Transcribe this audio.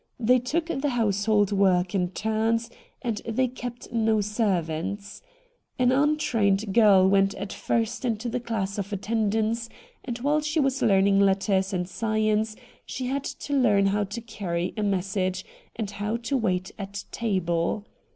They took the household work in turns, and they kept no servants. An un trained girl went at first into the class of attendants, and while she was learning letters and science she had to learn how to carry a message and how to wait at table.